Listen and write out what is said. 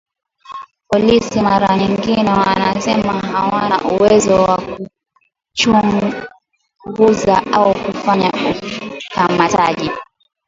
Polisi mara nyingine wanasema hawana uwezo wa kuchunguza au kufanya ukamataji